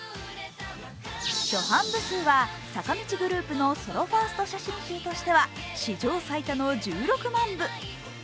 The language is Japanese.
初版部数は坂道グループのソロファースト写真集としては史上最多の１６万部。